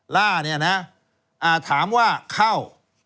ล่าเนี่ยนะถามว่าเข้า